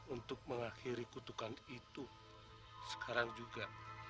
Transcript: untuk mengakhiri kutukan itu sekarang juga